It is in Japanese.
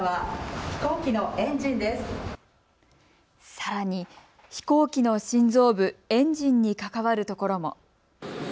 さらに、飛行機の心臓部、エンジンに関わるところも。